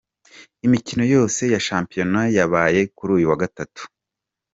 Imikino yose ya shampiyona yabaye kuri uyu wa Gatatu:.